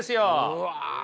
うわ。